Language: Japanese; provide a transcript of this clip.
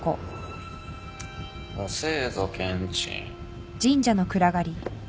遅えぞケンチン。